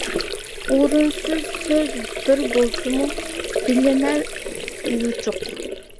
ئورۇنسىز سۆز بىر بولسىمۇ بىلىنەر يوچۇن.